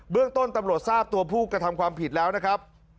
เรื่องต้นตำรวจทราบตัวผู้กระทำความผิดแล้วนะครับ